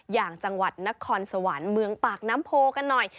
อย่างจังหวัดนครสวรรค์เมืองปากน้ำโพกันหน่อย